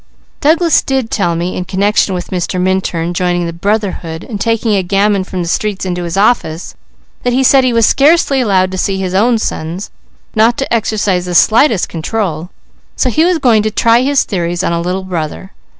"Douglas did tell me in connection with Mr. Minturn joining the Brotherhood and taking a gamin from the streets into his office, that he said he was scarcely allowed to see his own sons, not to exercise the slightest control, so he was going to try his theories on a Little Brother.